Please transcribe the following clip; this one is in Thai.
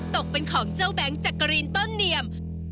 ตกเป็นของเจ้าแบงค์จักรีนต้นเนียม